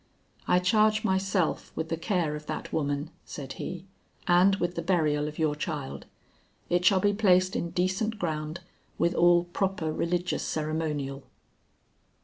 "I charge myself with the care of that woman," said he, "and with the burial of your child. It shall be placed in decent ground with all proper religious ceremonial."